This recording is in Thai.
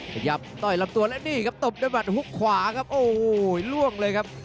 ขยับต้อยลำตัวและนี่ครับตบด้วยหมัดฮุกขวาครับโอ้โหล่วงเลยครับ